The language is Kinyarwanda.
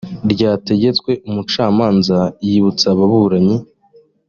ryategetswe umucamanza yibutsa ababuranyi